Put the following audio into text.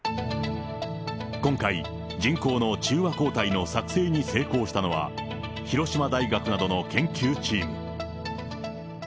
今回、人工の中和抗体の作製に成功したのは、広島大学などの研究チーム。